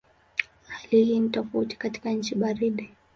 Hali hii ni tofauti katika nchi baridi.